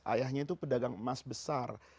ayahnya itu pedagang emas besar